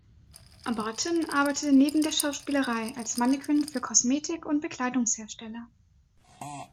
Barton arbeitet neben der Schauspielerei als Mannequin für Kosmetik- und Bekleidungshersteller.